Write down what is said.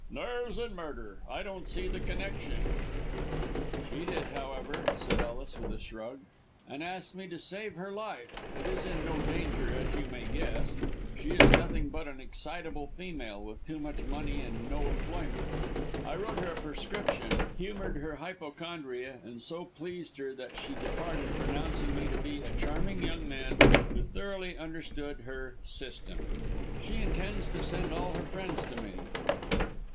"Nerves and murder. I don't see the connection." "She did, however," said Ellis, with a shrug, "and asked me to save her life. It is in no danger, as you may guess. She is nothing but an excitable female with too much money and no employment. I wrote her a prescription, humoured her hypochondria, and so pleased her that she departed, pronouncing me to be a charming young man who thoroughly understood her 'system.' She intends to send all her friends to me."